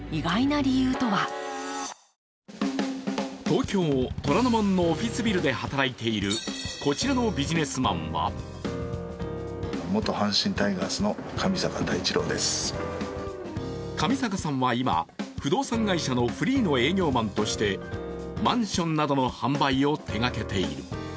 東京・虎ノ門のオフィスビルで働いているこちらのビジネスマンは上坂さんは今、不動産会社のフリーの営業マンとしてマンションなどの販売を手がけている。